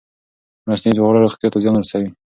مصنوعي خواړه روغتیا ته زیان رسوي.